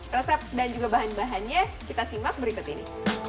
resep dan juga bahan bahannya kita simak berikut ini